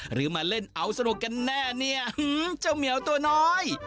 หรือมาเล่นเอาสนุกกันแน่เนี่ยเจ้าเหมียวตัวน้อย